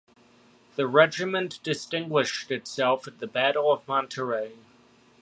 The regiment distinguished itself at the Battle of Monterrey.